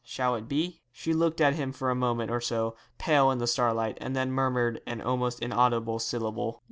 Shall it be?' She looked at him for a moment or so, pale in the starlight, and then murmured an almost inaudible syllable.